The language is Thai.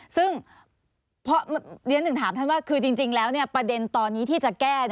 ซึ่งเรียนถึงถามท่านว่าคือจริงแล้วประเด็นตอนนี้ที่จะแก้